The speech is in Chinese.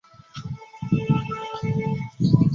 红山脉的北端连接英格林山脉甚远。